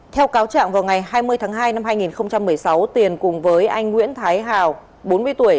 theo cáo trạng vào ngày hai mươi tháng hai năm hai nghìn một mươi sáu tiền cùng với anh nguyễn thái hào bốn mươi tuổi